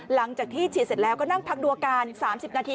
หลังจากที่ฉีดเสร็จแล้วก็นั่งพักดูอาการ๓๐นาที